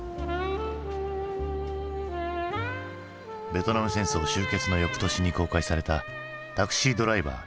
ベトナム戦争終結の翌年に公開された「タクシードライバー」。